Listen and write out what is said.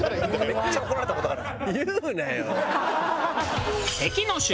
めっちゃ怒られた事ある。